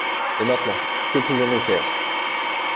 Et maintenant, que pouvons-nous faire?